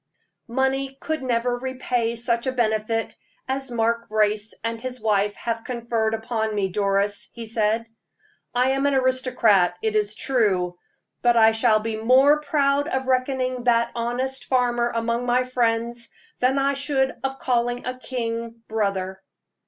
"Money could never repay such a benefit as Mark Brace and his wife have conferred upon me, Doris," he said. "I am an aristocrat, it is true; but I shall be more proud of reckoning that honest farmer among my friends than I should of calling a king brother."